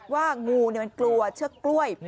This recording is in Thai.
ว่างูเนี่ยมันกลัวเชือกกล้วย